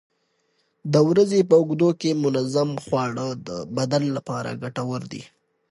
د ورځې په اوږدو کې منظم خواړه د بدن لپاره ګټور دي.